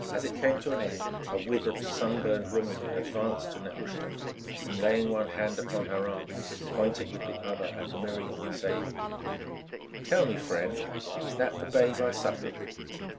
As it came to an end a withered, sunburned woman advanced to Nehushta, and, laying one hand upon her arm, pointed with the other at Miriam, saying: "Tell me, friend, is that the babe I suckled?"